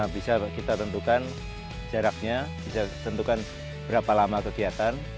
bisa kita tentukan jaraknya bisa tentukan berapa lama kegiatan